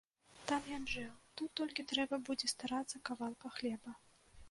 Там ён жыў, тут толькі трэба будзе старацца кавалка хлеба.